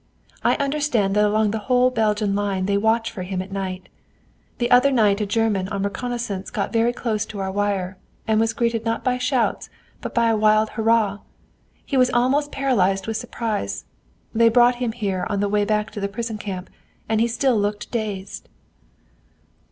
I understand that along the whole Belgian line they watch for him at night. The other night a German on reconnoissance got very close to our wire, and was greeted not by shots but by a wild hurrah. He was almost paralyzed with surprise. They brought him here on the way back to the prison camp, and he still looked dazed."